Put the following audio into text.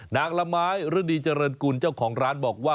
ละไม้ฤดีเจริญกุลเจ้าของร้านบอกว่า